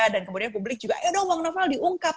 dan kemudian publik juga ayo dong bang novel diungkat